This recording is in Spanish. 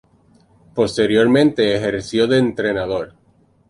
Posteriormente ejerció de entrenador.